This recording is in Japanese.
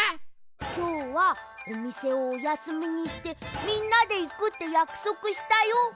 きょうはおみせをおやすみにしてみんなでいくってやくそくしたよ。